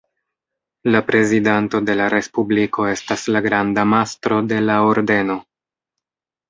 La prezidanto de la Respubliko estas la granda mastro de la Ordeno.